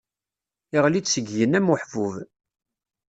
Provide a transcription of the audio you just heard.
Iɣli-d seg igenni am uḥbub.